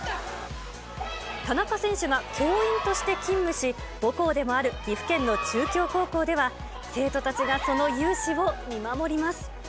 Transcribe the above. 田中選手が教員として勤務し、母校でもある岐阜県の中京高校では、生徒たちがその雄姿を見守ります。